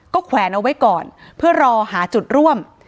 แขวนเอาไว้ก่อนเพื่อรอหาจุดร่วม